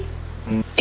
ya udah deh bik